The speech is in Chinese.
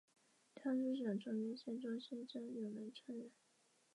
出生于北海道札幌市。